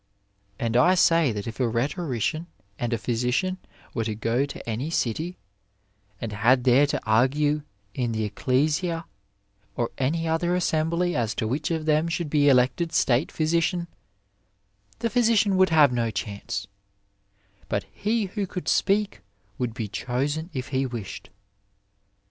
And I say that if a rhetorician and a physician were to go to any city, and had there to argue in the Ecclesia or any other assembly as to which of them should be elected state ph]n3ician, the phjrsician would have no chance ; but he who could speak would be chosen if he wished."